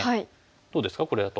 どうですかこれだと。